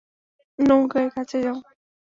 নৌকায় কাছে যাও!